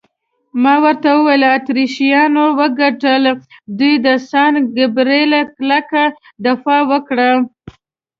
ما ورته وویل: اتریشیانو وګټل، دوی د سان ګبرېل کلکه دفاع وکړه.